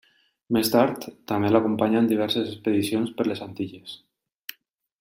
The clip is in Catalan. Més tard, també l'acompanyà en diverses expedicions per les Antilles.